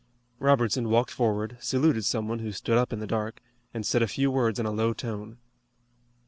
Robertson walked forward, saluted some one who stood up in the dark, and said a few words in a low tone.